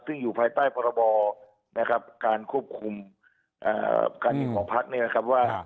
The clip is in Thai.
ซึ่งอยู่ภายใต้พรบนะครับการควบคุมการยิงของพักเนี่ยนะครับว่า